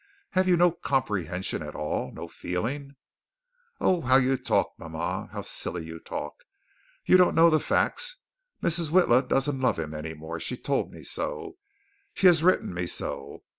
Have you no comprehension at all? No feeling?" "Oh, how you talk, mama. How silly you talk. You don't know the facts. Mrs. Witla doesn't love him any more. She told me so. She has written me so.